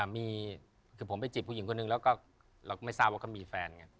มีคือผมไปจีบผู้หญิงคนหนึ่งแล้วก็เราไม่ทราบว่าเขามีแฟนไง